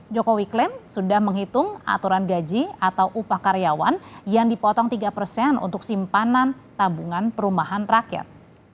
jokowi klaim sudah menghitung aturan gaji atau upah karyawan yang dipotong tiga persen untuk simpanan tabungan perumahan rakyat